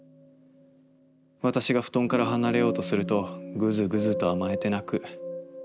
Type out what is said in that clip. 私が布団から離れようとするとぐずぐずと甘えて泣く。